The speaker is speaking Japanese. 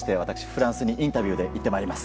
フランスにインタビューで行ってまいります。